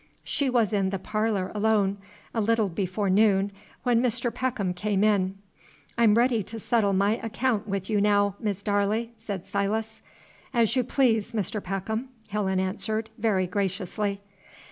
She was in the parlor alone, a little before noon, when Mr. Peckham came in. "I'm ready to settle my accaount with you now, Miss Darley," said Silas. "As you please, Mr. Peckham," Helen answered, very graciously.